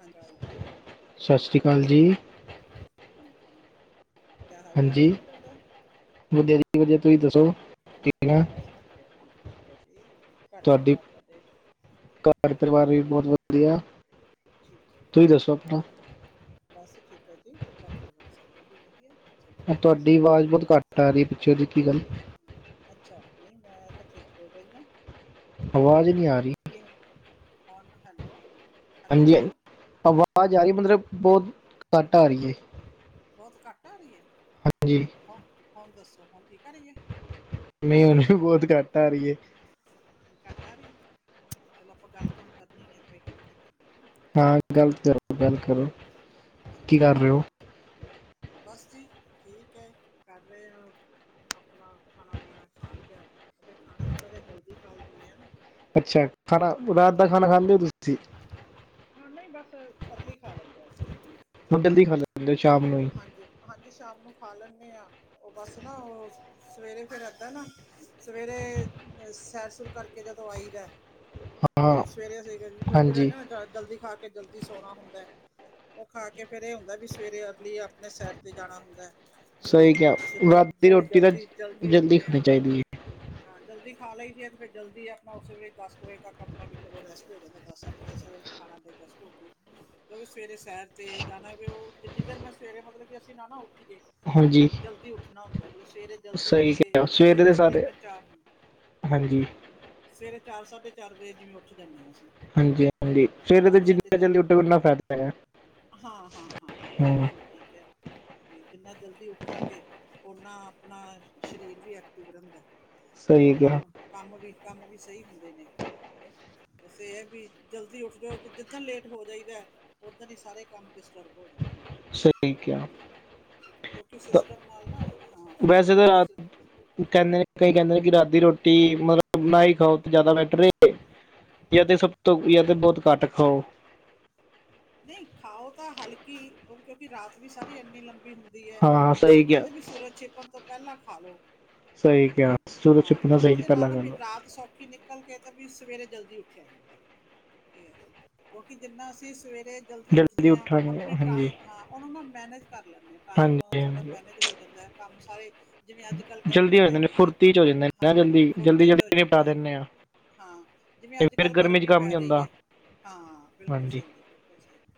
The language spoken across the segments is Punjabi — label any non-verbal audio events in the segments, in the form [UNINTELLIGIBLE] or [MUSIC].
ਹਾਂਜੀ ਜੀ ਸਤਿ ਸ਼੍ਰੀ ਅਕਾਲ ਜੀ ਹਾਂਜੀ। [UNINTELLIGIBLE] ਕਿਆ ਹਾਲ ਚਾਲ ਹੈ ਹਾਂਜੀ ਜੀ ਤੁਹਾਡਾ। ਵਧੀਆ ਜੀ ਵਧੀਆ ਤੁਸੀਂ ਦੱਸੋ। ਠੀਕ ਆ ਬਸ ਠੀਕ ਹੈ ਠੀਕ ਹੈ ਜੀ ਘਰ ਤੁਹਾਡੀ ਪਰਿਵਾਰ ਤੁਹਾਡ। ਘਰ ਪਰਿਵਾਰ ਵੀ ਬਹੁਤ ਵਧੀਆ। ਠੀਕ ਹੈ ਤੁਸੀਂ ਜੀ ਦੱਸੋ ਆਪਣਾ ਬਸ ਠੀਕ ਹੈ ਜੀ ਘਰ ਪਹੁੰਚਾ ਸਕਦੇ ਜੀ ਵਧੀਆ ਜੀ। [UNINTELLIGIBLE] ਤੁਹਾਡੀ ਆਵਾਜ਼ ਬਹੁਤ ਘੱਟ ਆ ਰਹੀ ਹੈ ਪਿੱਛੇ ਦੀ ਕੀ ਗੱਲ? ਅੱਛਾ ਨਹੀਂ ਮੈਂ ਤਾਂ ਠੀਕ ਬੋਲ ਰਹੀ ਹਾਂ ਆਵਾਜ਼ ਨਹੀਂ ਹੁਣ ਆ ਰਹੀ ਕਿ ਹੋ ਹੈਲੋ ਹੈਲੋ ਹਾਂਜੀ ਹ ਹੈਲੋ ਆਵਾਜ਼ ਆ ਰਹੀ ਮਤਲਬ ਬਹੁਤ ਘੱਟ ਆ ਰਹੀ ਹੈ। ਬਹੁਤ ਘੱਟ ਆ ਰਹੀ ਹੈ? ਹਾਂਜੀ ਹੁਣ ਦੱਸੋ ਹੁਣ ਠੀਕ ਆ ਰਹੀਏ? ਨਹੀਂ ਉਹਨੂੰ ਵੀ ਬਹੁਤ ਘੱਟ ਆ ਰਹੀ ਹੈ। ਘੱਟ ਆ ਰਹੇ ਚਲੋ ਆਪਾਂ ਗੱਲ ਤਾਂ ਹੁਣ ਕਰਨੀ ਆ ਆਪਾਂ ਗੱਲ ਤਾਂ ਕਰੀਏ ਨਾ। ਹਨਾ ਹਾਂ ਗਲ ਕਰੋ ਗੱਲ ਕਰੋ ਕੀ ਹਾਂਜੀ ਕਰ ਰਹੇ ਹੋ? ਬਸ ਜੀ ਠੀਕ ਹੈ ਕਰ ਰਹੇ ਹੋ। ਆਪਣਾ ਖਾਣਾ ਵਗਣਾ ਖਾ ਗਿਆ ਤੇ ਖਾਣਾ ਥੋੜਾ ਜਿਹਾ ਜਲਦੀ ਖਾ ਲੈਂਦੇ ਹ ਨਾ। ਅੱਛਾ ਖਾਣਾ ਰਾਤ ਦਾ ਖਾਣਾ ਖਾਂਦੇ ਹੋ ਤੁਸੀਂ? ਹਾਂ ਨਹੀਂ ਬਸ ਅਰਲੀ ਖਾ ਲਈਦਾ ਸੀਂ। ਹੁਣ ਜਲਦੀ ਖੱਲ ਦਿੰਦੇ ਹੋ ਸ਼ਾਮ ਨੂੰ ਹੀ? ਹਾਂਜੀ ਹਾਂਜੀ ਸ਼ਾਮ ਨੂੰ ਖਾ ਲੈਂਦੇ ਹਾਂ ਉਹ ਬਸ ਨਾ ਉਹ ਸਵੇਰੇ ਫਿਰ ਇੱਦਾਂ ਨਾ ਸਵੇਰੇ ਅ ਸੈਰ ਸੁਰ ਕਰਕੇ ਜਦੋਂ ਆਈ ਵੈ ਹਾਂ ਤੇ ਸਵੇਰੇ ਅਸੀ ਉਹ ਹਾਂਜੀ ਫੇਿਰ ਜਲਦੀ ਖਾ ਕੇ ਜਲਦੀ ਸੋਣਾ ਹੁੰਦਾ ਉਹ ਖਾ ਕੇ ਫੇਰ ਇਹ ਹੁੰਦਾ ਵੀ ਸਵੇਰੇ ਲਈ ਆਪਣੇ ਸੈਰ ਤੇ ਜਾਣਾ ਹੁੰਦਾ ਹੈ। ਜੇ ਸਹੀ ਕਿਹਾ ਜਲ, ਰਾਤ ਦੀ ਜੇ ਰੋਟੀ ਤਾਂ ਜਲਦੀ -ਜਲਦੀ ਉੱਠਦੇ ਆ ਖਾਣੀ ਹਾਂ। ਚਾਹੀਦੀ ਹੈ ਹਾਂ ਜਲਦੀ ਖਾ ਲਈ ਦੀ ਐ ਤੇ ਫਿਰ ਜਲਦੀ ਐ ਤਾ ਉਸੇ ਵੇਲੇ ਦਸ ਵਜੇ ਤੱਕ ਆਪਣਾ ਵੀ ਚਲੋ ਰੈਸਟ ਹੋ ਜਾਂਦਾ ਦਸ ਸਾਢੇ ਦਸ ਵਜੇ। ਖਾਣਾ ਡਜਸਟ ਹੋ ਕੇ, ਸਵੇਰੇ ਸੈਰ ਤੇ ਜਾਣਾ ਉਹ ਜਿੰਨੀ ਅਗਰ ਮੈਂ ਸਵੇਰੇ ਮਤਲਬ ਕਿ ਅਸੀਂ ਨਾ ਉਠੀ ਏ ਵੀ ਹਾਂਜੀ ਜਲਦੀ ਉੱਠਣਾ ਹੁੰਦਾ ਵੀ ਸਵੇਰੇ ਜਲਦੀ ਉੱਠ ਸਹੀ ਕੇ ਕਿਹਾ ਸਵੇਰੇ ਦੇ ਸਾਰੇ ਤਕਰੀਬਨ ਚਾਰ ਹੋਣ ਹਾਂਜੀ ਸਵੇਰੇ ਚਾਰ- ਸਾਢੇ ਚਾਰ ਵਜੇ ਜਿਵੇਂ ਉੱਠ ਜਾਂਦੇ ਆ ਜੀ। ਹਾਂਜੀ ਹਾਂਜੀ ਫਰ ਜਿੰਨਾ ਜਲਦੀ ਉੱਠੋ ਉਨਾ ਫਾਇਦਾ ਹੈਗਾ। ਹਾਂ ਹਾਂ ਹਾਂ ਹਾਂ ਹਾ ਬਿਲਕੁਲ ਠੀਕ ਹੈ। ਵੀ ਜਿੰਨਾ ਜਲਦੀ ਉੱਠਾਂਗੇ, ਉਨਾ ਆਪਣਾ ਸਰੀਰ ਵੀ ਐਕਟਿਵ ਰਹਿੰਦਾ ਐ। ਤੇ ਸਹੀ ਕਿਹਾ ਕੰਮ- ਕੰਮ ਵੀ ਕੰਮ ਵੀ ਸਹੀ ਹੁੰਦੇ ਨੇ। ਬਸ ਇਹ ਹੈ ਵੀ ਜਲਦੀ ਉੱਠ ਜਾਓ ਜਿੱਦਣ ਲੇਟ ਹੋ ਜਾਈਦਾ ਐ ਊਦਨ ਹੀ ਸਾਰੇ ਕੰਮ ਡਿਸਟਰਬ ਹੋ ਜਾਂਦੇ ਨੇ। ਸ ਵੀ ਹੂੰ, ਕਿਉਂਕਿ ਸਿਸਟਮ ਨਾਲ ਨਾ ਵੀ ਹਾਂ ਸਵੇਰੇ ਵੈਸੇ ਤਾਂ ਉੱਠੋਂ ਤੁਸੀਂ ਰਾਤ ਕਹਿੰਦੇ ਨੇ ਕਈ ਕਹਿੰਦੇ ਨੇ ਕਿ ਰਾਤ ਦੀ ਰੋਟੀ ਮਤਲਬ ਨਾ ਹੀ ਖਾਓ ਤੇ ਜ਼ਿਆਦਾ ਬੈਟਰ ਏ। ਯ ਤੇ ਸਭ ਤੋਂ ਯ ਤੇ ਬਹੁਤ ਘੱਟ ਖਾਓ। ਨਹੀਂ ਖਾਓ ਤਾਂ ਹਲਕੀ ਉਹ ਕਿਉਂਕਿ ਰਾਤ ਵੀ ਸਾਰੀ ਇੰਨੀ ਲੰਬੀ ਹੁੰਦੀ ਹੋਦੀ ਐ। ਹਾਂ ਬਸ ਸਹੀ ਇਹ ਕਿਹਾ ਕਹਿੰਦੇ ਵੀ ਸੂਰਜ ਛੀਪੜ ਤੋਂ ਪਹਿਲਾਂ ਖਾ ਲਓ। ਸਹੀ ਹੂੰ ਕਿਹਾ ਸੂਰਜ ਹਾਂ ਛੁਪਣਾ ਸਹੀ ਉਹਦੇ ਨਾਲ ਪਹਿਲਾਂ ਨਾ ਵੀ ਗੱਲ ਰਾਤ ਸੌਖੀ ਨਿਕਲ ਨਿਕਲ ਕੇ ਤਾਂ ਵੀ ਸਵੇਰੇ ਜਲਦੀ ਉੱਠਿਆ ਜਾਂਦਾ, ਠੀਕ ਕਿਉਂਕਿ ਜਿੰਨਾ ਅਸੀਂ ਸਵੇਰੇ ਜਲਦੀ ਉੱਠਦੇ ਆ, ਉੱਠਾਂਗੇ ਆਪਣੇ ਹਾਂਜੀ ਟਾਇ ਹਾਂ ਉਹਨੂੰ ਨਾ ਮੈਨੇਜ ਕਰ ਲੈਂਦੇ ਹਾਂ ਟਾਈਮ ਹਾਂਜੀ ਸਾਡਾ ਹਾਂਜੀ ਮੈਨੇਜ ਹੋ ਜਾਂਦਾ ਕੰਮ ਸਾਰੇ ਜਿਵੇਂ ਅੱਜ ਕੱਲ੍ਹ ਗਰਮੀ ਜਲਦੀ ਹੋ ਪੈ ਜਾਂਦੇ ਨੇ ਰਹੀ ਐ, ਫੁਰਤੀ ਚ ਹੋ ਜਾਂਦੇ ਨੇ ਨਾ ਹਾਂ ਜਲਦੀ ਜਲਦੀ ਫੁਰਤੀ 'ਚ ਹੋ ਜਲਦੀ ਨਿਪਟਾ ਜਾਂਦੇ ਐ। ਦਿੰਦੇ ਆ ਹਾਂ, ਜਿਵੇਂ ਤੇ ਅੱਜ ਫਿਰ ਕੱਲ੍ਹ ਚ ਗਰਮੀ ਕੰਮ ਨੀ ਪੈ ਰਹੀ ਹੁੰਦਾ ਐ, ਹਾਂ ਬਿਲਕੁਲ ਹਾਂਜੀ ਸਹੀ ਹੈ ਬਿਲਕੁਲ ਬਿਲਕੁਲ ਸਹੀ ਕਿਆ,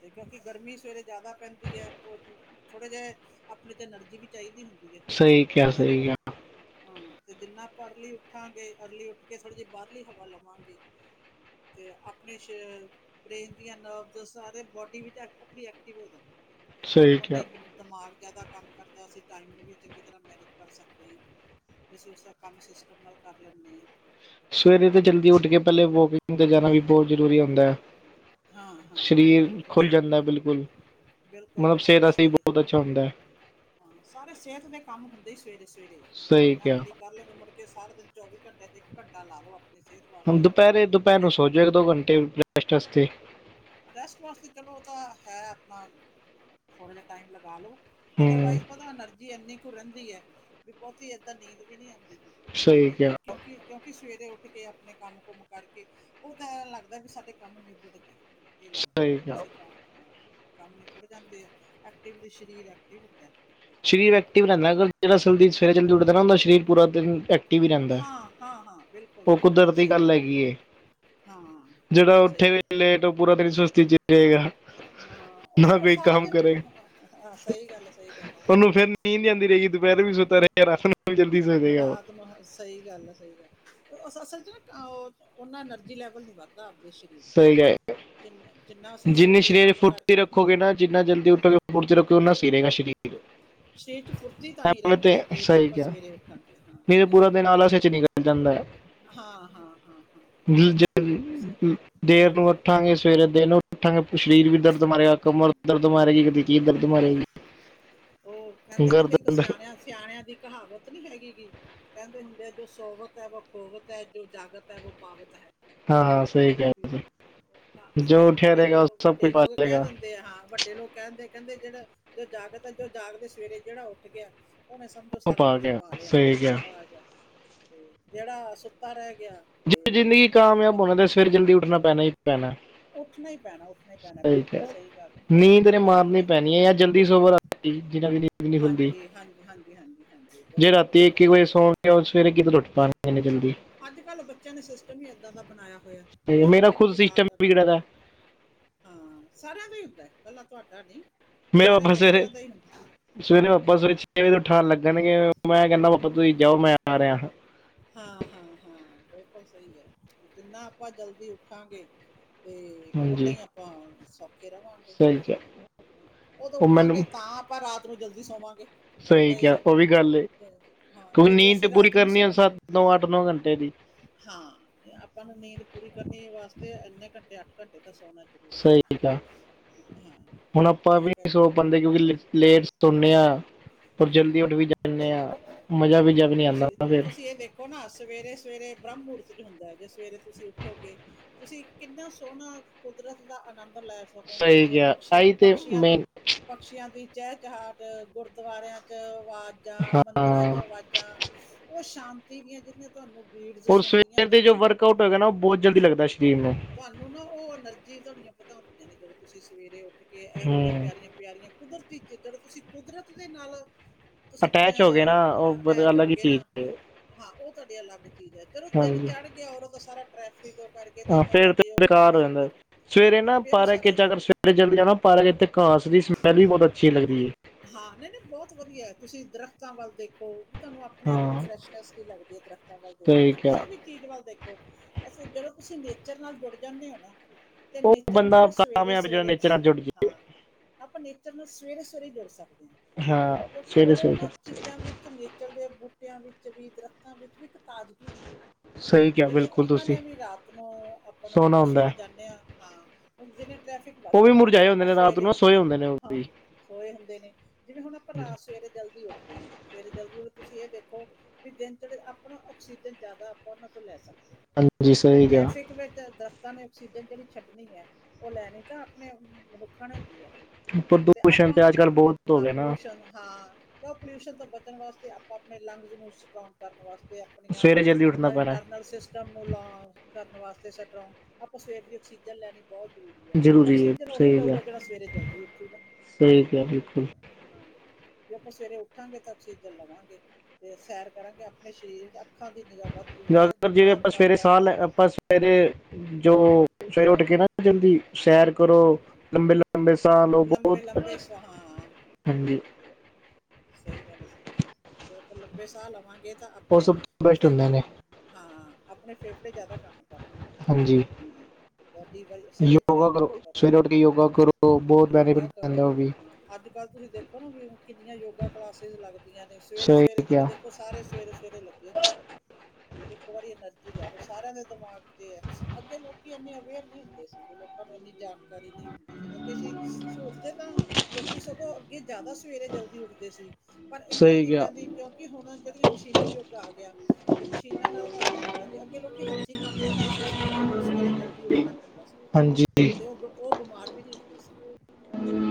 ਤੇ ਕਿਉਂਕਿ ਗਰਮੀ ਸਵੇਰੇ ਜ਼ਿਆਦਾ ਪੈਂਦੀ ਐ ਉਹ ਕੁ ਥੋੜ੍ਹੇ ਜਿਹੇ ਆਪਣੀ ਤਾਂ ਐਨਰਜੀ ਵੀ ਚਾਹੀਦੀ ਹੁੰਦੀ ਏ, ਸਹੀ ਕਿਹਾ ਜਿੰਨੇ ਸਹੀ ਆਪਾਂ ਕਿਹਾ ਹੂੰ ਤੇ ਜਿੰਨਾ ਆਪਾਂ ਅਰਲੀ ਉੱਠਾਂਗੇ ਅਰਲੀ ਉੱਠ ਕੇ ਥੋੜ੍ਹੀ ਜਿਹੀ ਬਾਹਰਲੀ ਹਵਾ ਲਵਾਂਗੇ ਤੇ ਆਪਣੇ ਸੈ਼ਲ ਬ੍ਰੇਨ ਦੀਆਂ ਨਰਵਜ਼ ਸਾਰੇ ਬੋਡੀ ਵਿੱਚ ਐਕ ਆਪਣੀ ਐਕਟਿਵ ਹੋ ਜਾਂਦੇ ਨੇ, ਸਹੀ ਉਨੇ ਕਿਹਾ ਈ ਦਿਮਾਗ ਜ਼ਿਆਦਾ ਕੰਮ ਕਰਦਾ ਸੀ ਟਾਈਮ ਵੀ ਚੰਗੀ ਤਰ੍ਹਾਂ ਮੈਨੀਜ ਕਰ ਸਕਦੇ ਆ। ਅਸੀਂ ਉਸ ਦਾ ਕੰਮ ਸਿਸਟਮ ਨਾਲ ਕਰ ਲੈਂਨੇ ਆ। ਸਵੇਰੇ ਤੇ ਜਲਦੀ ਉੱਠ ਕੇ ਪਹਿਲੇ ਵੋਕਿੰਗ ਤੇ ਜਾਣਾ ਵੀ ਬਹੁਤ ਜ਼ਰੂਰੀ ਹੁੰਦਾ ਐ। ਹਾਂ ਹਾਂ ਹਾਂ ਹਾਂ ਸਰੀਰ ਬਿਲਕੁਲ ਖੁੱਲ ਸਹੀ ਜਾਂਦਾ ਬਿਲਕੁਲ, ਬਿਲਕੁਲ ਮਤਲਬ ਸਿਹਤ ਬਿਲਕੁਲ ਵਾਸਤੇ ਸਹੀ ਹੈ ਬਹੁਤ ਅੱਛਾ ਹੁੰਦਾ ਐ। ਹਾਂ ਸਾਰੇ ਸਿਹਤ ਦੇ ਕੰਮ ਹੁੰਦੇ ਹੀ ਸਵੇਰੇ -ਸਵੇਰੇ ਐ ਸਹੀ ਜਿਨ੍ਹਾਂ ਕਿਹਾ ਅਰਲੀ ਕਰ ਲੋ ਗੇ ਮੁੜ ਕੇ ਸਾਰਾ ਦਿਨ ਚੌਵੀ ਘੰਟਿਆਂ 'ਚ ਇੱਕ ਘੰਟਾ ਲਾ ਲੋ ਆਪਣੀ ਸਿਹਤ ਹੁਣ ਵਾਸਤੇ ਜਲਦੀ ਉੱਠ ਦੁਪਹਿਰੇ-ਦੁਪਹਿਰ ਨੂੰ ਕੇ ਸੌ ਜਾਓ ਇੱਕ-ਦੋ ਘੰਟੇ ਰੈਸਟ ਵਾਸਤੇ। ਰੈਸਟ ਵਾਸਤੇ ਚਲੋ ਉਹ ਤਾਂ ਹੈ ਆਪਣਾ, ਥੋੜ੍ਹਾ ਜਿਹਾ ਟਾਈਮ ਲਗਾ ਲਓ। ਹੂੰ ਅਦਰਵਾਈਜ਼ ਪਤਾ ਐਨਰਜੀ ਇੰਨੀ ਕੁ ਰਹਿੰਦੀ ਐ, ਵੀ ਬਹੁਤੀ ਏਦਾਂ ਨੀਂਦ ਵੀ ਨੀ ਆਉਂਦੀ। ਸਹੀ [UNINTELLIGIBLE] ਐਨੀ ਕਿਹਾ ਕਿਉ ਕੀ ਕਿਉਂਕਿ ਸਵੇਰੇ ਉੱਠ ਕੇ ਆਪਣੇ ਕੰਮ-ਕੁਮ ਕਰਕੇ, ਉਹ ਤਾਂ ਐ ਲੱਗਦਾ ਵੀ ਸਾਡੇ ਕੰਮ ਨਿਬੜ ਗਏ। ਇਹ ਲੱਗਦਾ ਸਹੀ ਕਿ ਕਿਹਾ ਅਸੀਂ ਕੰਮ ਹਾ, ਕੰਮ ਨਿਬੜ ਜਾਂਦੇ ਆ ਐਕਟਿਵਲੀ ਸਰੀਰ ਐਕਟਿਵ ਹੁੰਦਾ। ਤੇ ਸਰੀਰ ਕੰਮ ਐਕਟਿਵ ਰਹਿੰਦਾ ਅਗਰ ਜਿਹੜਾ ਸਵੇਰੇ ਜਲਦੀ ਉਠਦਾ ਨਾ ਉਹਦਾ ਸਰੀਰ ਪੂਰਾ ਦਿਨ ਐਕ ਐਕਟਿਵ ਹੀ ਰਹਿੰਦਾ, ਹਾਂ ਹਾਂ ਹਾਂ ਬਿਲਕੁਲ ਉਹ ਬਿਲਕੁਲ ਕੁਦਰਤ ਦੀ ਸਹੀ ਗੱਲ ਹੈ ਹੈਗੀਏ। ਹਾਂ। ਜਿਹੜਾ ਬਿਲਕੁਲ ਉੱਠੇ ਸਹੀ ਵੀ ਹੈ ਲੇਟ ਉਹ ਪੂਰਾ ਦਿਨ ਸੁਸਤੀ ਚ ਹੀ ਰਹੇਗਾ। ਹਾਂ ਉਹ ਨਾ ਉਹ ਕੋਈ ਸਾਰਾ ਕੰਮ ਫਿਰ ਕਰੇ ਹਾਂ ਸਹੀ ਗੱਲ ਏ ਸਹੀ ਗੱਲ ਹੈ ਉਹਨੂੰ ਫਿਰ ਨੀਂਦ ਆਉਂਦੀ ਰਹੇਗੀ, ਦੁਪਹਿਰੇ ਵੀ ਸੁੱਤਾ ਰਹੇਗਾ, ਰਾਤ ਨੂੰ ਵੀ ਜਲਦੀ ਸੌ ਜੇਗਾ ਉਹ। ਰਾਤ ਸਹੀ ਗੱਲ ਸਹੀ ਗੱਲ ਉਸ ਅਸਲ 'ਚ ਨਾ ਉਹਨਾ ਐਨਰਜੀ ਲੈਵਲ ਨੀ ਵਦਾ। ਵੱਧਦਾ [UNINTELLIGIBLE] ਆਪਦੇ ਸਰੀਰ ਨੂੰ ਸਹੀ ਹੈ ਜਿੰਨਾ ਜਿੰਨਾ ਅਸੀਂ ਜਿੰਨੀ ਸਵੇਰੇ ਸਰੀਰ ਕੰਮ ਫੁਰਤੀ ਕਰਦੇ ਰੱਖੋਗੇ ਨਾ ਜਿੰਨਾ ਜਲਦੀ ਉਠੋਗੇ ਉਹਨਾਂ ਸੀ ਰੇਗਾ ਸ਼ਰੀਰ ਸਰੀਰ ਚ ਫੁਰਤੀ ਤਾਂ ਹੀ ਰਹਿੰਦੀ ਤੇ ਹੈ ਜੇ ਨਾ ਸਹੀ ਆਪਾਂ ਕਿਹਾ ਸਵੇਰੇ ਉੱਠਾਂਗੇ ਹਾਂ ਨਹੀਂ ਤੇ ਜੇ ਪੂਰਾ ਸਵੇਰੇ ਦਿਨ ਆਲਸ ਵਿੱਚ ਨਿਕਲ ਜਾਂਦਾ ਹੈ ਉੱਠਾਂਗੇ। ਹਾਂ, ਹਾਂ, ਹਾਂ, ਹਾਂ, ਹਾਂ ਲ- ਉਸ। ਜੇ ਦੇਰ ਨੂੰ ਉੱਠਾਂਗੇ। ਸਵੇਰੇ ਦੇਰ ਨੂੰ ਉੱਠਾਂਗੇ ਸਰੀਰ ਵੀ ਦਰਦ ਮਾਰੇਗਾ, ਕਮਰ ਵੀ ਦਰਦ ਮਾਰੇਗੀ, ਕਦੀ ਜੀਭ ਦਰਦ ਮਾਰੇਗੀ। ਉਹ ਕਹਿੰਦੇ ਨੀ ਹੁੰਦੇ ਇੱਕ ਗਰਦਨ ਦਰ- ਸਿਆਣਿਆਂ ਸਿਆਣਿਆਂ ਦੀ ਕਹਾਵਤ ਨੀ ਹੈਗੀ ਗੀ ਕਹਿੰਦੇ ਹੁੰਦੇ ਹੈ, ਜੋ ਸੋਵਤ ਹੈ ਵੋ ਖੋਵਤ ਹੈ ਜੋ ਜਾਗਤ ਹੈ ਵੋ ਪਾਵਤ ਹੈ। ਹਾਂ ਹਾਂ ਸਹੀ ਕਹਿ ਰਹੇ ਤੁਸੀਂ। ਜੋ ਉੱਠਿਆ ਬੜੇ ਰਹੇਗਾ ਉਹ ਲੋਕ ਸਭ ਵੱਡੇ ਕੁਝ ਪਾ ਲੋਕ ਕਹਿ ਲੇਗਾ ਦਿੰਦੇ ਆ ਹਾਂ ਵੱਡੇ ਲੋਕ ਕਹਿੰਦੇ ਕਹਿੰਦੇ ਜਿਹੜਾ ਜੋ ਜਾਗਤ ਆ ਜੋ ਜਾਗਦੇ ਸਵੇਰੇ ਜਿਹੜਾ ਉੱਠ ਗਿਆ। ਉਹਨੇ ਸਮਝੋ ਉਹ ਸਾਰਾ ਕੁਛ ਗਿਆ ਪਾ ਲਿਆ ਸਹੀ ਕਿਹਾ ਆ ਗਿਆ ਤੇ ਜਿਹੜਾ ਸੁੱਤਾ ਰਹਿ ਗਿਆ। ਤੇ ਜੇ ਜ਼ਿੰਦਗੀ ਔਰ ਕਾਮਯਾਬ ਬ- ਹੋਣਾ ਤਾਂ ਸਵੇਰੇ ਜਲਦੀ ਉੱਠਣਾ ਪੈਣਾ ਹੀ ਪੈਣਾ। ਉੱਠਣਾ ਹੀ ਪੈਣਾ ਉੱਠਣਾ ਹੀ ਪੈਣਾ ਬਿਲਕੁਲ ਸਹੀ ਗੱਲ ਹੈ। ਨੀਂਦ ਨੇ ਮਾਰਨੀ ਪੈਣੀ ਹੈ‌। ਯਾਰ ਜਲਦੀ ਸੌਂਵੋ ਰਾਤੀ ਜਿਨਾਂ ਦੀ ਨੀਂਦ ਨੀ ਖੁੱਲਦੀ। ਜੀ ਹਾਂਜੀ। ਹਾਂਜੀ ਜੇ ਬਿਲ- ਰਾਤੀ ਬਿਲਕੁਲ ਇਕੀ ਵਜੇ ਸਹੀ ਹੈ ਸੌਣਗੇ ਉਹ ਸਵੇਰੇ ਕਿੱਥੋਂ ਉੱਠ ਪਾਣਗੇ ਇਨੀਂ ਜਲਦੀ ਅੱਜ-ਕੱਲ ਬੱਚੇਆਂ ਨੇ ਸਿਸਟਮ ਈ ਏਦਾਂ ਦਾ ਬਨਾਏਆ ਹੋਏਆ ਤੇ ਤੁਸੀ ਮੇਰਾ ਦੇਖੋ ਨਾ ਖੁਦ ਵੀ ਸਿਸਟਮ ਰਾਤ ਰਾ ਵਿਗੜਿਆ ਦਾ ਹਾਂ ਸਾਰਿਆਂ ਦਾ ਹੀ ਹੁੰਦਾ ਇਕੱਲਾ ਤੁਹਾਡਾ ਨੀ। ਮੇਰੇ ਪਾਪਾ ਸਵੇਰੇ- ਸਵੇਰੇ ਪਾਪਾ ਸਵੇਰੇ ਛੇ ਵਜੇ ਤੋਂ ਉਠਾਉਣ। ਲੱਗਣਗੇ ਮੈਂ ਕਹਿੰਨਾ ਪਾਪਾ ਤੁਸੀਂ ਜਾਓ ਮੈਂ ਆ ਰਿਹਾ ਹਾਂ ਹਾਂ ਹਾਂ ਹਾਂ ਬਿਲਕੁਲ ਸਹੀ ਹੈ, ਜਿੰਨਾ ਆਪਾਂ ਜਲਦੀ ਉੱਠਾਂਗੇ ਤੇ ਉਹਨਾਂ ਹਾਂਜੀ ਹੀ ਆਪਾਂ ਸੌਖੇ ਰਵਾਂਗੇ। ਸਹੀ ਕਿਹਾ ਓਦੋਂ ਉਹ ਮੈਨੂੰ ਉੱਠਾਂਗੇ ਤਾਂ ਆਪਾਂ ਰਾਤ ਨੂੰ ਜਲਦੀ ਸੌਵਾਂਗੇ। ਸਹੀ ਕਿਹਾ ਉਹ ਵੀ ਗੱਲ ਏ, ਹਾਂ ਕਿਉਂਕਿ ਜੇ ਨੀਂਦ ਤੇ ਅਸੀਂ ਪੂਰੀ ਰਾਤ ਨੂੰ ਕਰਨੀ ਆ ਸੌਣ ਸੱਤ ਨੌ ਅੱਠ ਨੌ ਘੰਟੇ ਦੀ ਹਾਂ ਆਪਾਂ ਨੂੰ ਨੀਂਦ ਪੂਰੀ ਕਰਨੀ ਵਾਸਤੇ ਇੰਨੇ ਘੰਟੇ ਅੱਠ ਘੰਟੇ ਤਾਂ ਸੌਣਾ। ਸਹੀ ਆ ਹੁਣ ਆਪਾਂ ਵੀ ਇਸ ਨਹੀਂ ਸੌ ਕਰਕੇ ਪਾੰਦੇ ਕਿਉਂਕਿ ਲੇਟ ਸੌਣੇ ਆ ਔਰ ਹਾਂ ਜਲਦੀ ਉੱਠ ਵੀ ਜਾ ਜਾਂਨੇ ਆਂ ਮਜ਼ਾ ਵੀ ਜਦ ਨੀ ਆੰਦਾ ਫਿਰ ਉਹ ਨਾ ਸਵੇਰੇ-ਸਵੇਰੇ ਬ੍ਰਹਮ ਮਹੂਰਤ 'ਚ ਹੁੰਦਾ ਏ ਜੇ ਸਵੇਰੇ ਤੁਸੀਂ ਉੱਠੋਗੇ ਤੁਸੀਂ ਕਿੰਨਾ ਸੋਨਾ ਕੁਦਰਤ ਦਾ ਅਨੰਦ ਲੈ ਸ ਸੁਣੋਂਗੇ, ਸਹੀ ਜਿਵੇਂ ਕਿਹਾ ਆਈ ਤੇ ਪਕਸ਼ੀਆਂ, ਮੈਂ ਦੀ ਪਕਸ਼ੀਆਂ, ਦੀ ਚਹਿ ਚਹਾਟ ਗੁਰਦੁਆਰਿਆਂ ਚ ਆਵਾਜ਼ਾਂ ਮੰਦਿਰਾਂ ਹਾਂ ਚ ਅਵਾਜ਼ਾਂ, ਉਹ ਸ਼ਾਂਤੀ ਦੀਆਂ ਜਿਹੜੀਆਂ ਤੁਹਾਨੂੰ ਬੀਡਸ ਔਰ ਸੁਣਦੀਆਂ ਸਵੇਰ ਨੇ ਦੇ ਜੋ ਨਾ ਵਰਕਆਊਟ ਹੈਗਾ ਨਾ, ਉਹ ਬੋਤ ਜਲਦੀ ਲੱਗਦਾ ਸਰੀਰ ਨੂੰ। ਤੁਹਾਨੂੰ ਨਾ ਉਹ, ਐਨਰਜੀ ਤੁਹਾਡੀਆਂ ਵਧਾਉਂਦੀਆਂ ਨੇ, ਜਦੋਂ ਤੁਸੀਂ ਸਵੇਰੇ ਉੱਠ ਕੇ ਇਹੋ, ਜਿਹੀਆਂ ਹੂੰ ਪਿਆਰੀਆਂ ਪਿਆਰੀਆਂ ਕੁਦਰਤੀ ਜਿਦਾ ਤੁਸੀਂ, ਕੁਦਰਤ ਦੇ ਨਾਲੋ ਤੁਸੀਂ ਅਟੈਚ ਹੋ ਗਏ ਅਹ, ਨਾ ਉਹ ਫਿਰ ਅਟੈਚ ਹੋ ਅਲੱਗ ਹੀ ਗਏ ਚੀਜ਼ ਨਾ ਹਾਂ ਓ ਤੁਆਡੀ ਅਲੱਗ ਚੀਜ਼ ਐ ਚਲੋ ਦਿਨ ਹਾਂਜੀ ਚੜ ਗੇਆ ਔਰ ਓਦਾ ਸਾਰਾ ਟ੍ਰੈਫਿਕ ਕਰਕੇ ਤੇ ਹਾਂ ਫਿਰ ਤੇ ਤੁਹਾਡੀ ਉਹ ਬੇਕਾਰ ਹੋ ਜਾਂਦਾ, ਸੁਸੁੱਤਰ ਸਵੇਰੇ ਹਾਂ ਨਾ ਫਿਰ ਉਹ ਪਾਰਕ ਸਾਰਾ ਚ ਅਗਰ ਸ ਕੇ ਜਦੋ ਜਾਨਾ ਪਾਰਕ ਤੇ ਏਥੇ ਘਾਸ ਦੀ ਸਮੈਲ ਵੀ ਬੋਤ ਅੱਛੀ ਲੱਗਦੀ ਏ। ਹਾਂ, ਨਹੀਂ-ਨਹੀਂ ਬਹੁਤ ਵਧੀਆ ਤੁਸੀਂ ਦਰਖਤਾਂ ਵੱਲ,, ਦੇਖੋ ਹੂ ਤੁਹਾਨੂੰ ਆਪਣੇ -ਆਪਣੇ ਹਾਂ ਫਰੈਸ਼ਸ਼ਨੈਸ ਦੀ ਲੱਗਦੀ ਹੈ, ਦਰੱਖਤਾਂ ਵੱਲ ਦੇਖੋ ਸਹੀ ਕਿਸੇ ਕਿਹਾ ਵੀ ਚੀਜ਼ ਵੱਲ ਦੇਖੋ, ਅਸੀ ਜਦੋਂ ਤੁਸੀਂ ਨੇਚਰ ਨਾਲ, ਜੁੜ ਜਾਂਦੇ ਹੋ ਨਾ ਤੇ ਉਹ ਨੇਚਰ ਨਾਲ, ਬੰਦਾ ਨਾ ਸਵੇਰੇ ਕਾਮਯਾਬ ਜਿਹੜਾ ਸਵੇਰੇ ਨੇਚਰ ਨਾਲ ਜੁੜ ਹਾਂ। ਆਪਾਂ ਨੇਚਰ ਨੂੰ, ਸਵੇਰੇ -ਸਵੇਰੇ ਜੁੜ ਸਕਦੇ ਹਾਂ ਗਿਆ ਹਾਂ ਕਿਉਂਕਿ, ਸਵੇਰੇ ਉਦੋਂ ਸਵੇਰੇ ਉਹਨਾਂ ਚੀਜ਼ਾਂ ਵਿੱਚ ਤੇ ਨੇਚਰ ਦੇ ਬੂਟਿਆਂ ਵਿੱਚ ਵੀ ਦਰਖ਼ਤਾਂ ਵਿੱਚ ਵੀ, ਇੱਕ ਤਾਜ਼ਗੀ ਹੁੰਦੀ ਏ ਸਹੀ ਕਿਹਾ ਜਿਵੇਂ, ਬਿਲਕੁਲ ਉਹਨਾਂ ਤੁਸੀਂ ਨੇ ਵੀ ਰਾਤ ਨੂੰ, ਆਪਾਂ ਨੂੰ ਸੋਨਾ ਆਪਾਂ ਹੁੰਦਾ ਸਵੇਰੇ ਹੈ ਜਾਂਨੇ ਆ? ਹਾਂ, ਜਿਵੇ ਟ੍ਰੈਫਿਕ ਵੱਧ ਉਹ ਵੀ ਜਾਂਦਾ ਹੈ ਮੁਰਝਾਏ ਹੁੰਦੇ ਆਪਾਂ ਨੇ ਰਾਤ ਸਵੇਰੇ ਨੂੰ ਸੋਏ ਹੁੰਦੇ ਨੇ ਉਹ ਹਾਂ ਵੀ ਸੋਏ ਹੁੰ - ਜਿਵੇਂ ਹੁਣ ਆਪਾਂ, ਰਾਤ ਸਵੇਰੇ ਜਲਦੀ ਉੱਠਦੇ ਹਾਂ। ਸਵੇਰੇ ਜਲਦੀ ਉ ਤੁਸੀਂ ਇਹ ਵੇਖੋ? ਵੀ ਦਿਨ ਚੜੇ ਆਪਣਾ, ਆਕਸੀਜਨ ਜ਼ਿਆਦਾ ਆਪਾਂ ਉਹਨਾਂ ਤੋਂ ਲੈ ਸਕਦੇ ਹਾਂਜੀ ਹਾਂ। ਫੇਰ ਸਹੀ ਕਿਹਾ ਟ੍ਰੈਫਿਕ ਵੇ ਜਿਆਦਾ ਨਾਲੇ ਆਕਸੀਜਨ ਜਿਹੜੀ ਛੱਡਣੀ ਹੈ, ਉਹ ਲੈਣੀ ਤਾਂ ਆਪਣੇ ਮਨੁੱਖਾਂ ਨੇ ਹੁੰਦੀ ਹੈ ਨਾ। ਪ੍ਰਦੂਸ਼ਣ, ਆਪਾਂ ਤੇ ਅੱਜ -ਕੱਲ੍ਹ ਹਾਂ ਬਹੁਤ ਹੋ ਹਾਂ, ਗਿਆ ਨਾ ਪੋਲੂਊਸ਼ਨ ਹਾਂ ਉਹ ਪੋਲਿਊਸ਼ਨ ਤੋਂ ਬਚਣ ਵਾਸਤੇ, ਆਪਾਂ ਆਪਣੇ ਲੰਗਜ਼ ਨੂੰ ਸਟਰੋਂਗ ਕਰਨ ਵਾਸਤੇ ਆਪਣੀਆਂ, ਸਵੇਰੇ ਜਲਦੀ ਉੱਠਣਾ ਪੈਣਾ ਇਟਰਨਲ ਸਿਸ ਇਲਾਜ ਕਰਨ ਵਾਸਤੇ, ਸਟਰੋਂਗ ਆਪਾਂ ਸਵੇਰ ਦੀ, ਆਕਸੀਜਨ ਲੈ ਨੀ ਬਹੁਤ ਜ਼ਰੂਰੀ ਹੈ, ਆਕਸੀਜਨ ਉਹੀ ਲਊਗਾ ਜਿਹੜਾ ਸਵੇਰੇ, ਜਲਦੀ ਉੱਠੂਗਾ। ਠੀਕ, ਹੈ ਜੀ। ਹਾਂ। ਜੇ ਆਪਾਂ ਸਵੇਰੇ ਉੱਠਾਂਗੇ, ਤਾਂ ਆਕਸੀਜਨ ਲਵਾਂਗੇ, ਤੇ ਸੈਰ ਕਰਾਂਗੇ ਆਪਣੇ ਸਰੀਰ ਵਿੱਚ ਅੱਖਾਂ ਦੀ, ਨਿਗਾਹ ਵੱਧਦੀ ਹੈ ਜਿਹੜੇ, ਦਿਮਾਗ ਆਪਾਂ ਸਵੇਰੇ ਵੱਧਦਾ ਸਾਹ ਲ ਆਪਾਂ ਸਵੇਰੇ, ਜੋ ਸਵੇਰੇ ਉੱਠ ਕੇ ਨਾ ਜਲਦੀ ਸੈਰ ਕਰੋ, ਲੰਮੇ ਲੰਮੇਂ ਲੰਬੇ ਸਾਹ ਲੋ, ਉਹ ਲੰਬੇ ਬਹੁਤ ਅ ਲੰਬੇ ਸਾਹਾਂ ਹਾਂਜੀ ਸਹੀ ਗੱਲ ਹੈ, ਸਹੀ ਗੱਲ ਜਦੋਂ ਆਪਾਂ ਲੰਬੇ ਸਾਹ, ਲਵਾਂਗੇ ਤਾਂ ਉਹ ਆਪਣੇ ਸਭ ਤੋਂ ਬੈਸਟ ਫੇ ਹੁੰਦੇ ਨੇ ਹਾਂ, ਆਪਣੇ ਫੇਫੜੇ ਜ਼ਿਆਦਾ ਕੰਮ ਕਰਨਗੇ। ਹਾਂਜੀ। ਬੋਡੀ ਬਈ ਸਹੀ ਤਰ੍ਹਾਂ ਯੋਗਾ ਫਰਕ ਕਰੋ। ਸਵੇਰੇ ਉੱਠ ਯੋਗਾ ਕਰੋ, ਬਹੁਤ ਬੈਨੀਫਿਟ ਪੈਂਦਾ ਉਹ ਵੀ। ਅੱਜ- ਕੱਲ੍ਹ ਤੁਸੀਂ ਦੇਖੋ ਨਾ ਵੀ, ਕਿਨੀਆਂ ਯੋਗਾ ਕਲਾਸਿਸ ਲੱਗਦੀਆਂ ਨੇ, ਸਵੇਰੇ -ਸਵੇਰੇ ਸਹੀ ਜਿਹੜੇ ਕਿਹਾ ਦੇਖੋ ਸਾਰੇ, ਸਵੇਰੇ- ਸਵੇਰੇ ਲੱਗੇ ਹੁੰਦੇ ਨੇ ਵੀ ਇੱਕ ਵਾਰੀ ਨਾ ਜੀ ਲੈ ਲਓ, ਸਾਰਿਆਂ ਦੇ ਦਿਮਾਗ ਚ ਇਹ ਹੈ, ਅੱਗੇ ਲੋਕੀ ਇੰਨੇ ਅਵੇਅਰ ਨਹੀਂ ਹੁੰਦੇ ਸੀਗੇ, ਲੋਕਾਂ ਨੂੰ ਇੰਨੀ ਜਾਣਕਾਰੀ ਨਹੀਂ ਤੇਅਸੀਂ ਸੋਚਦੇ ਹਾਂ ਲੋਕੀ ਸਗੋਂ ਅੱਗੇ ਜ਼ਿਆਦਾ ਸਵੇਰੇ ਜਲਦੀ ਉੱਠਦੇ ਸੀ। ਪਰ ਇਹਨਾਂ, ਸਹੀ ਚੀਜ਼ਾਂ ਕਿਹਾ ਦੀ ਕਿਉਂਕਿ, ਹੁਣ ਜਿਹੜੀਆਂ ਮਸ਼ੀਨੀ ਯੁੱਗ ਆ ਗਿਆ, ਤੇ ਮਸ਼ੀਨਾਂ ਨਾਲ ਕੰਮ ਹੋਣ ਲੱਗ ਗੇ ਅੱਗੇ ਲੋਕੀੱ ਅੱਛੇ ਕੰਮ ਕਰਦੇ ਸੀ, ਇਸ ਕਰਕੇ ਉਹਨਾਂ ਨੂੰ ਸਵੇਰੇ ਜਲਦੀ ਉੱਠਣਾ ਪੈਂਦਾ ਸੀ, ਹਾਂਜੀ ਅਤੇ ਉਹ - ਉਹ ਬਿਮਾਰ ਵੀ ਨਹੀਂ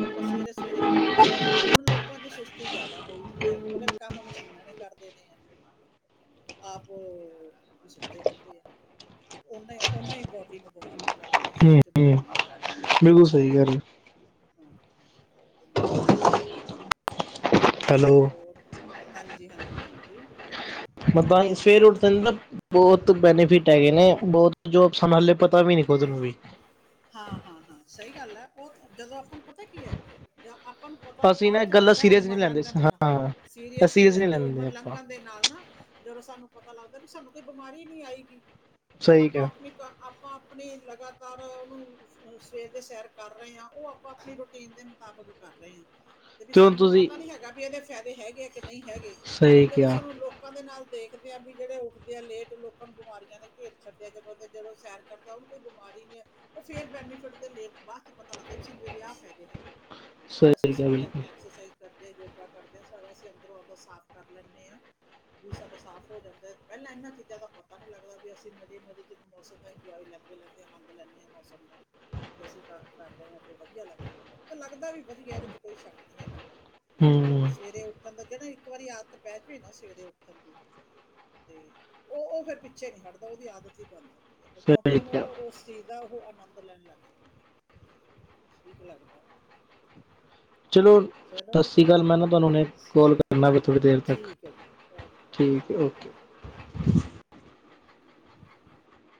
ਆਪਣਾ ਸਵੇਰੇ- ਸਵੇਰੇ ਕੰਮ ਕਰਨ। ਹੁਣ ਲੋਕਾਂ ਚ, ਸੁਸਤੀ ਜ਼ਿਆਦਾ ਹੋਈ ਪਈ ਹੈ, ਉਹ ਕਹਿੰਦੇ, ਕੰਮ ਮਸ਼ੀਨਾਂ ਨੇ ਕਰਦੇ ਨੇ ਆਪ ਉਹ ਸੁੱਤੇ ਰਹਿਦੇ ਆ ਉਹਨਾ- ਉਹਨਾ ਹੀ ਬੋਡੀ ਨੂੰ ਬਿਮਾਰੀਆਂ ਲੱਗਦੀਆਂ ਸਰੀਰ ਹੂੰ ਚ ਹੂੰ ਬਿਮਾਰੀਆਂ ਲੱਗਦੀਆਂ ਬਿਲਕੁਲ, ਸਹੀ ਹੈ। ਹਮ [UNINTELLIGIBLE] ਹ [UNINTELLIGIBLE] ਹੈਲੋ। ਹਾਂਜੀ, ਹਾਂਜੀ, ਹਾਂਜੀ। ਮਤਲਬ ਸਵੇਰ ਉੱਠਨ ਨਾਲ ਬਹੁਤ ਬੈਨੀਫਿਟ ਹੈਗੇ ਨੇ ਬਹੁਤ। ਜੋ ਸਮਾਲੇ ਪਤਾ ਵੀ ਨੀ ਖੁਦ ਨੂੰ ਵੀ। ਹਾਂ-ਹਾਂ-ਹਾਂ ਸਹੀ ਗੱਲ ਐ ਉਹ ਜਦੋਂ ਆਪਾਂ ਨੂੰ ਪਤਾ ਕੀ ਐ ਜਾਂ ਆਪਾਂ ਨੂੰ ਪਤਾ ਅਸੀਂ ਬਾਦ ਨਾ ਇਹ ਚ ਗੱਲਾਂ ਲੱਗਦਾ ਸੀਰੀਅਸ ਨਹੀਂ ਉਮਰ ਲੈਂਦੇ ਲੰਘਣ ਦੇ ਨਾਲ ਹਾਂ ਸੀਰੀਅਸ ਨੀ ਨਹੀਂ ਲੈਂਦੇ ਉਮਰ ਆਪਾਂ ਲੰਘਣ ਦੇ ਨਾਲ ਨਾ ਜਦੋਂ ਸਾਨੂੰ ਪਤਾ ਲੱਗਦਾ ਵੀ ਸਾਨੂੰ ਕੋਈ ਬਿਮਾਰੀ ਨੀ ਆਏਗੀ ਤੇ ਸਹੀ ਆਪਾਂ ਕਿਹਾ ਆਪਣੀ ਆਪਾਂ ਆਪਣੇ ਲਗਾਤਾਰ ਸਵੇਰ ਦੇ ਸੈਰ ਕਰ ਰਹੇ ਹਾਂ ਉਹ ਆਪਾਂ ਆਪਣੀ ਰੂਟੀਨ ਦੇ ਮੁਤਾਬਿਕ ਕਰ ਰਹੇ ਆ। ਤੇ ਵੀ ਹੁਣ ਸਾਨੂੰ ਤੁਸੀਂ ਪਤਾ ਨੀ ਹੈਗਾ ਵੀ ਏਦੇ ਫਾਇਦੇ ਹੈਗੇ ਆ ਕਿ ਨੀ ਹੈਗੇ ਪਰ ਸਹੀ ਜਦੋਂ ਕਿਹਾ ਸਾਨੂੰ ਲੋਕ ਲੋਕਾਂ ਦੇ ਨਾਲ ਦੇਖਦੇ ਆ ਵੀ ਜਿਹੜੇ ਉੱਠਦੇ ਆ ਲੇਟ ਲੋਕਾਂ ਨੂੰ ਬਿਮਾਰੀਆਂ ਦੇ ਘੇਰ ਛੱਡਿਆ ਜਦੋਂ, ਜਦੋਂ ਸੈਰ ਕਰਦਾ ਉਹਨੂ ਕੌਈ ਬਿਮਾਰੀ ਨੇ ਓ ਫੇਰ ਬੈਨੀਫਿਟ ਦੇ ਲੇਖ ਬਾਦ ਚ ਪਤਾ ਲੱਗਦਾ ਸਾਨੂੰ ਏਦੇ ਆ ਫਾਯਦੇ ਨੇ। ਵੀ ਅਸੀਂ ਸਹੀ ਕਿਹਾ ਸਵੇਰੇ ਬਿਲਕੁਲ ਆਪਣਾ ਐਕਸਰਸਾਈਜ਼ ਕਰਦੇ ਹਾਂ ਯੋਗਾ ਕਰਦੇ ਹਾਂ ਸਾਡਾ ਅਸੀਂ ਅੰਦਰੋਂ, ਆਪ ਦਾ ਸਾਫ਼ ਕਰ ਲੈਂਣੇ ਆ। ਵੀ ਸਾਡਾ ਸਾਫ਼ ਹੋ ਜਾਂਦਾ ਪਹਿਲਾਂ ਐਨਾਂ ਚੀਜ਼ਾਂ ਦਾ ਪਤਾ ਨੀ ਲੱਗਦਾ ਵੀ ਅਸੀਂ ਮਜ਼ੇ-ਮਜ਼ੇ ਚ ਮੌਸਮ ਦਾ ਇੰਜੋਏ ਲੈਂ ਲੈਂਣੇ ਆ ਆੰਦ ਲੈਂਣੇ ਆ ਮੌਸਮ ਦਾ। ਅਸੀਂ ਕਰ ਰਹੇ ਹਾਂ ਤੇ ਵਧੀਆ ਲੱਗਦਾ ਤੇ ਲੱਗਦਾ ਵੀ ਵਧੀਆ ਏਦੇ ਚ ਕੋਈ ਸ਼ੱਕ ਨਹੀਂ ਹੈਗਾ। ਹੂੰ ਸਵੇਰੇ ਉੱਠਣ ਦਾ ਜਿਹੜਾ ਇੱਕ ਵਾਰੀ ਆਦਤ ਪੈ ਜਾਵੇ ਨਾ ਸਵੇਰੇ ਉੱਠਣ ਦੀ ਤੇ ਓ ਓ ਫਿਰ ਪਿੱਛੇ ਨੀ ਹਟਦਾ ਉਹਦੀ ਆਦਤ ਹੀ ਬਣ ਜਾਂਦੀ। ਫਿਰ ਕਿਉਂਕਿ ਸਹੀ ਕਿਹਾ ਉਹਨੂੰ ਉਸ ਚੀਜ਼ ਦਾ ਓ, ਓ ਆਨੰਦ ਲੈਣ ਲੱਗ ਜਾਂਦਾ ਠੀਕ ਲੱਗਦਾ। ਚਲੋ ਚਲੋ। ਚਲ ਮੈਂ ਨਾ ਤੁਹਾਨੂੰ ਹੁਣੇ ਕਾੱਲ ਕਰਨਾ ਥੋੜੀ ਦੇਰ ਤੱਕ ਠੀਕ ਹੈ ਜੀ ਓਕੇ ਠੀਕ ਐ ਓਕੇ। [UNINTELLIGIBLE]